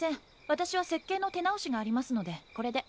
わたしは設計の手直しがありますのでこれで。